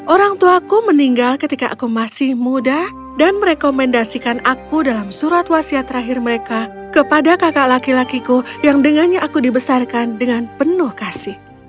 orang tuaku meninggal ketika aku masih muda dan merekomendasikan aku dalam surat wasiat terakhir mereka kepada kakak laki lakiku yang dengannya aku dibesarkan dengan penuh kasih